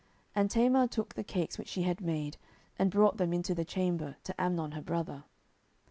And Tamar took the cakes which she had made, and brought them into the chamber to Amnon her brother.